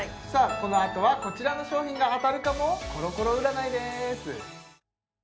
このあとはこちらの賞品が当たるかもコロコロ占いです